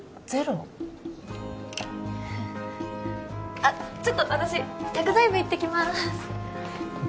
あっちょっと私薬剤部行ってきます